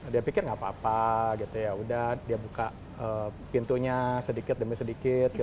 dia pikir nggak apa apa gitu ya udah dia buka pintunya sedikit demi sedikit